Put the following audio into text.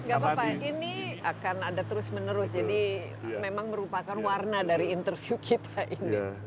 gak apa apa ini akan ada terus menerus jadi memang merupakan warna dari interview kita ini